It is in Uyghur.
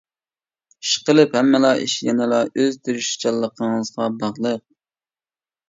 ئىشقىلىپ ھەممىلا ئىش يەنىلا ئۆز تىرىشچانلىقىڭىزغا باغلىق!